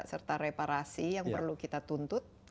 serta reparasi yang perlu kita tuntut